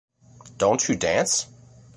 Don't you dance?